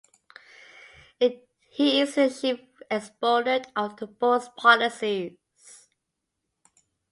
He is the chief exponent of the Board's policies.